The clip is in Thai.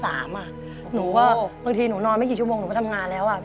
หนูก็บางทีหนูนอนไม่กี่ชั่วโมงหนูก็ทำงานแล้ว